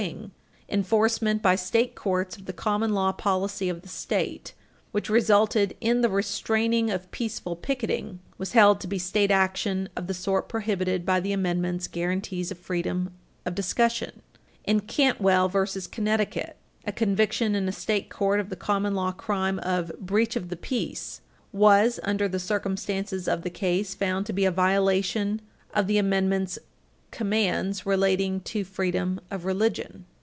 321 (1941), enforcement by state courts of the common law policy of the State, which resulted in the restraining of peaceful picketing, was held to be state action of the sort prohibited by the Amendment's guaranties of freedom of discussion. [Footnote 20] In Cantwell v. Connecticut, 310 U. S. 296 Page 334 U. S. 18 (1940), a conviction in a state court of the common law crime of breach of the peace was, under the circumstances of the case, found to be a violation of the Amendment's commands relating to freedom of religion.